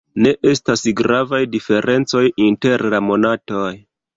Ne estas gravaj diferencoj inter la monatoj.